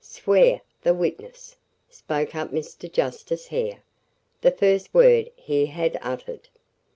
"Swear the witness," spoke up Mr. Justice Hare. The first word he had uttered.